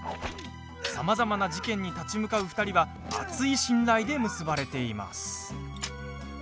さまざまな事件に立ち向かう２人は厚い信頼で結ばれています。